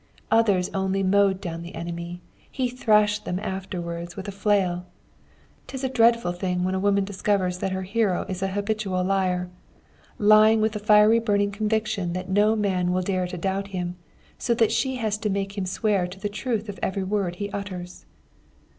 Others only mowed down the enemy, he thrashed them afterwards with a flail. 'Tis a dreadful thing when a woman discovers that her hero is a habitual liar, lying with the fiery burning conviction that no man will dare to doubt him, so that she has to make him swear to the truth of every word he utters.